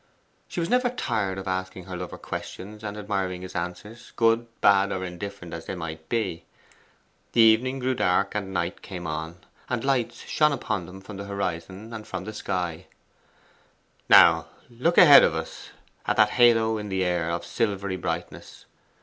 She was never tired of asking her lover questions and admiring his answers, good, bad, or indifferent as they might be. The evening grew dark and night came on, and lights shone upon them from the horizon and from the sky. 'Now look there ahead of us, at that halo in the air, of silvery brightness.